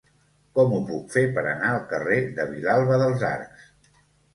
Com ho puc fer per anar al carrer de Vilalba dels Arcs?